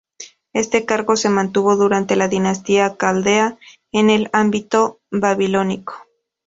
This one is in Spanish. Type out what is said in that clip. Este cargo se mantuvo durante la dinastía caldea en el ámbito babilónico.